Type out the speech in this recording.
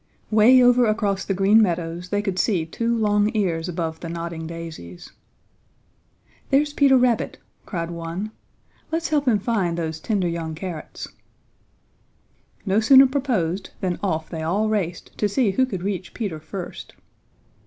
Way over across the Green Meadows they could see two long ears above the nodding daisies. "There's Peter Rabbit," cried one. "Let's help him find those tender young carrots!" No sooner proposed than off they all raced to see who could reach Peter first.